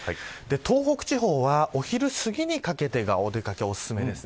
東北地方はお昼すぎにかけてがお出掛けがお勧めです。